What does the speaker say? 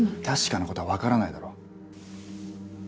確かなことは分からないだろ。